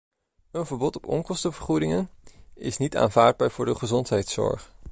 Een verbod op onkostenvergoedingen is niet aanvaardbaar voor de gezondheidszorg.